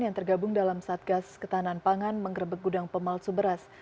yang tergabung dalam satgas ketahanan pangan mengerebek gudang pemalsu beras